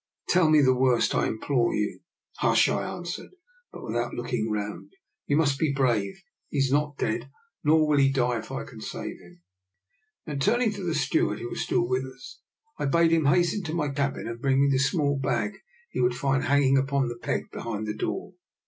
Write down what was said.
" Tell me the worst, I implore you." "Hush!" I answered, but without look ing round. " You must be brave. He is not dead. Nor will he die if I can save him." Then turning to the steward, who was still with us, I bade him hasten to my cabin and bring me the small bag he would find hanging upon the peg behind the door.